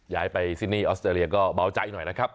ย้ายไปซินี่ออสเตรเลียก็เบาใจหน่อยนะครับ